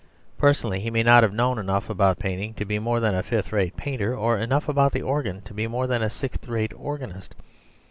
Personally he may not have known enough about painting to be more than a fifth rate painter, or enough about the organ to be more than a sixth rate organist.